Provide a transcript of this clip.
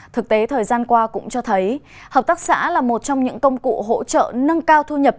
thực tế thời gian qua cũng cho thấy hợp tác xã là một trong những công cụ hỗ trợ nâng cao thu nhập